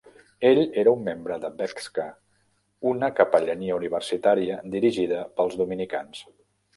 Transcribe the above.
Ell era un membre de Beczka, una capellania universitària dirigida pels dominicans.